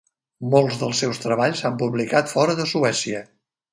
Molts dels seus treballs s'han publicat fora de Suècia.